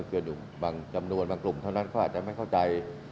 เกือบอยู่จำนวนอยู่บางกลุ่มเท่านั้นก็อาจจะไม่เข้าใจ